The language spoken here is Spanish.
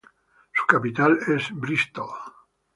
Su capital es Brístol.